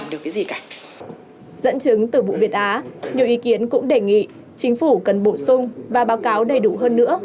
dẫn chứng từ vụ việt á nhiều ý kiến cũng đề nghị chính phủ cần bổ sung và báo cáo đầy đủ hơn nữa